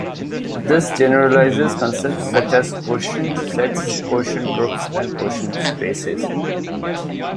This generalizes concepts such as quotient sets, quotient groups, and quotient spaces.